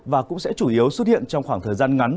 và cũng sẽ chủ yếu xuất hiện trong khoảng thời gian ngắn